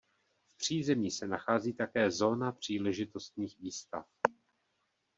V přízemí se nachází také Zóna příležitostných výstav.